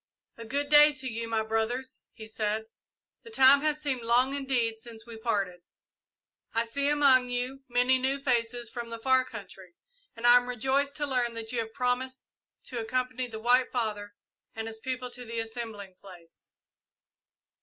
"A good day to you, my brothers," he said. "The time has seemed long indeed since we parted. I see among you many new faces from the far country, and I am rejoiced to learn that you have promised to accompany the White Father and his people to the assembling place.